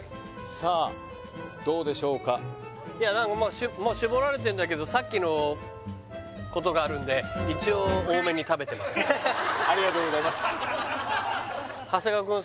さあどうでしょうかいや何かもう絞られてんだけどさっきのことがあるんで一応ありがとうございます長谷川くん